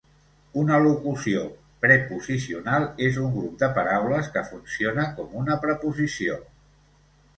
Una locució preposicional és un grup de paraules que funciona com una preposició.